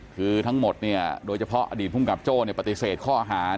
คือทั้งหมดเนี่ยโดยเฉพาะอดีตภูมิกับโจ้ปฏิเสธข้อหา